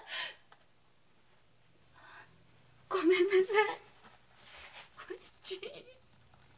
ごめんなさい。